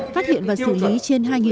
phát hiện và xử lý trên hai vụ